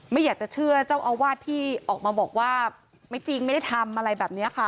ไม่อยากจะเชื่อเจ้าอาวาสที่ออกมาบอกว่าไม่จริงไม่ได้ทำอะไรแบบนี้ค่ะ